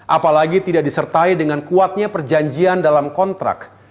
apalagi tidak disertai dengan kuatnya perjanjian dalam kontrak